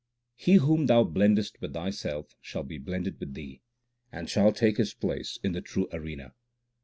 He whom Thou blendest with Thyself shall be blended with Thee, and shall take his place in the true arena.